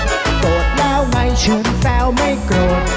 โสดแล้วไหมฉันแซวไม่โกรธ